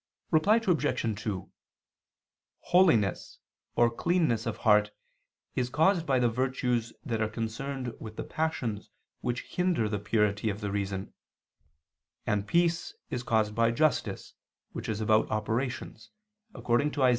Reply Obj. 2: Holiness or cleanness of heart is caused by the virtues that are concerned with the passions which hinder the purity of the reason; and peace is caused by justice which is about operations, according to Isa.